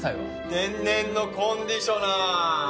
天然のコンディショナー！